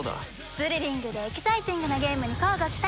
スリリングでエキサイティングなゲームに乞うご期待！